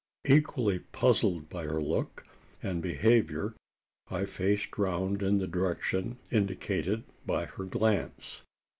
Equally puzzled by her look and behaviour, I faced round in the direction indicated by her glance.